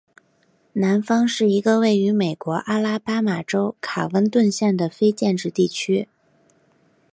南方是一个位于美国阿拉巴马州卡温顿县的非建制地区。